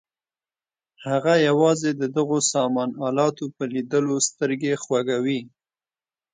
هغه یوازې د دغو سامان الاتو په لیدلو سترګې خوږوي.